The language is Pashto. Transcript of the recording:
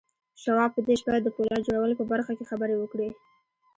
شواب په دې شپه د پولاد جوړولو په برخه کې خبرې وکړې.